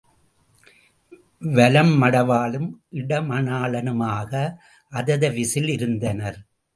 வலம் மடவாளும் இடம் மணாளனும் ஆக அததவிசில் இருந்தனர்.